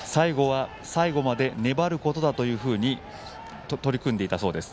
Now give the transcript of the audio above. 最後まで粘ることだというふうに取り組んでいたそうです。